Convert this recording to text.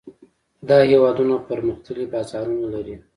دا هېوادونه پرمختللي بازارونه لري.